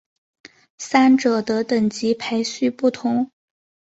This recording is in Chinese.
三者的等级排序不同。